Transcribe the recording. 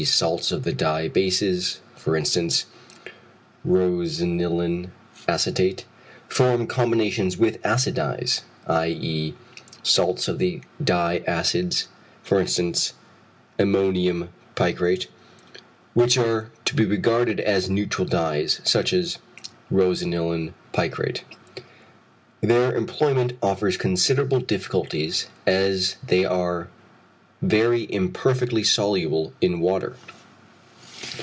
_ salts of the dye bases, for instance, rosanilin acetate) form combinations with acid dyes (i.e. salts of the dye acids, for instance, ammonium picrate) which are to be regarded as neutral dyes, such as rosanilin picrate. Their employment offers considerable difficulties as they are very imperfectly soluble in water.